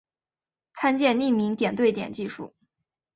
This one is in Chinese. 参见匿名点对点技术。